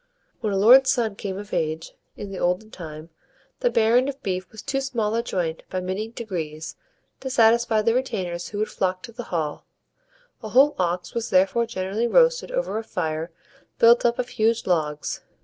When a lord's son came of age, in the olden time, the baron of beef was too small a joint, by many degrees, to satisfy the retainers who would flock to the hall; a whole ox was therefore generally roasted over a fire built up of huge logs.